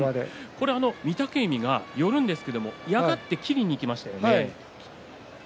これは御嶽海が寄るんですけれども嫌がって切りにいきましたね。